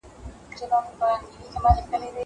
زه بايد د کتابتون د کار مرسته وکړم.